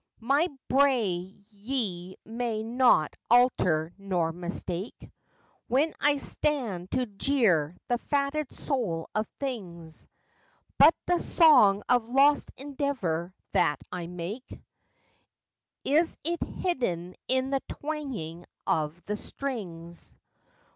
My bray ye may not alter nor mistake When I stand to jeer the fatted Soul of Things, But the Song of Lost Endeavour that I make, Is it hidden in the twanging of the strings?